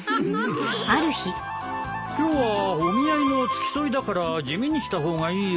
今日はお見合いの付き添いだから地味にした方がいいよ。